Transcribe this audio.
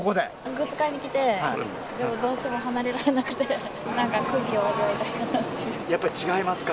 グッズ買いに来て、でもどうしても離れられなくて、なんか、空気を味わいたいかなっやっぱり違いますか？